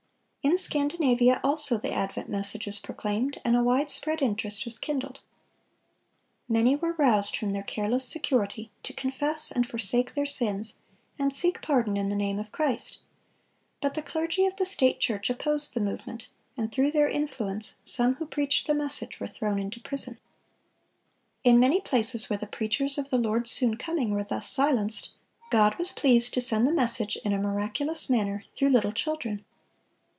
In Scandinavia also the advent message was proclaimed, and a wide spread interest was kindled. Many were roused from their careless security, to confess and forsake their sins, and seek pardon in the name of Christ. But the clergy of the state church opposed the movement, and through their influence some who preached the message were thrown into prison. In many places where the preachers of the Lord's soon coming were thus silenced, God was pleased to send the message, in a miraculous manner, through little children.